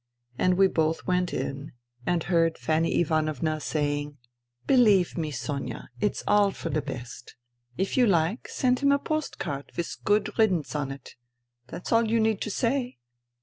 And we both went in, and heard Fanny Ivanovna saying :" Believe N 194 FUTILITY me, Sonia, it's all for the best. If you like, send him a post card with ' Good riddance ' on it. That's all you need say."